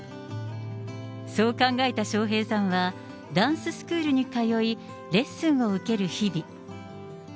そう考えた笑瓶さんは、ダンススクールに通い、レッスンを受ける日々。